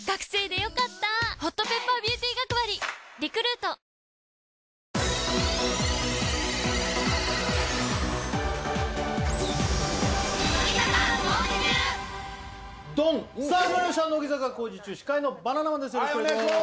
よろしくお願いします。